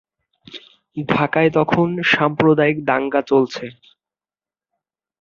ঢাকায় তখন সাম্প্রদায়িক দাঙ্গা চলছে।